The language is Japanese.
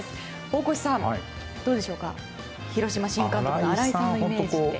大越さん、どうでしょうか広島新監督の新井さんのイメージって。